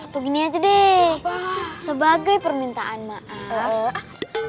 begini aja deh sebagai permintaan maaf